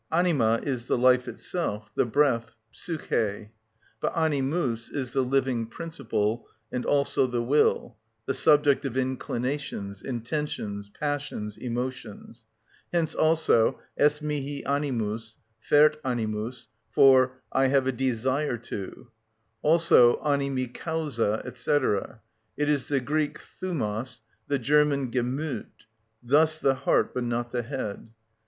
Anima is the life itself, the breath, ψυχη; but animus is the living principle, and also the will, the subject of inclinations, intentions, passions, emotions; hence also est mihi animus,—fert animus,—for "I have a desire to," also animi causa, &c. it is the Greek θυμος, the German "Gemüth," thus the heart but not the head.